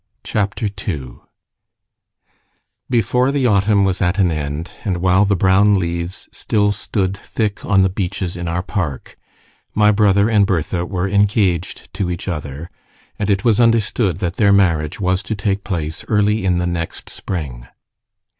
CHAPTER II Before the autumn was at an end, and while the brown leaves still stood thick on the beeches in our park, my brother and Bertha were engaged to each other, and it was understood that their marriage was to take place early in the next spring.